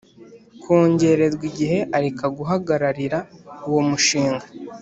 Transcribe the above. kongererwa igihe Areka guhagararira uwo mushinga